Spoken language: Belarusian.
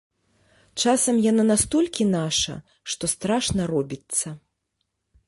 Часам яна настолькі наша, што страшна робіцца.